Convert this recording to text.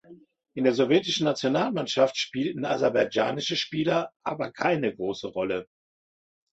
In der sowjetischen Nationalmannschaft spielten aserbaidschanische Spieler aber keine große Rolle.